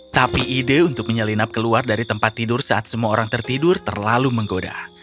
tapi ide untuk menyelinap keluar dari tempat tidur saat semua orang tertidur terlalu menggoda